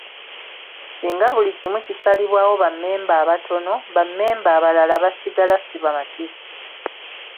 Singa buli kimu kisalibwawo ba mmemba abatono, bammemba abalala basigala sibamativu.